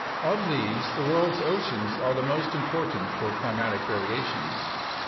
Of these, the world's oceans are the most important for climatic variations.